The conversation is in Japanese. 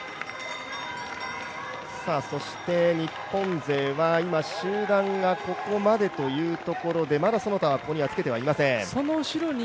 そして日本勢は今集団がここまでということでまだ、其田はここにつけていません。